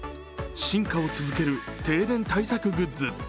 進化を続ける停電対策グッズ。